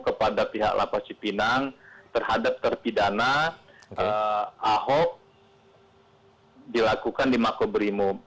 kepada pihak lapas cipinang terhadap terpidana ahok dilakukan di makobrimo